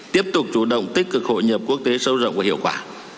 tiếp tục chủ động tích cực hội nhập quốc tế sâu rộng và hiệu quả